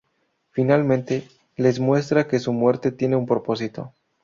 Finalmente, les muestra que su muerte tiene un propósito.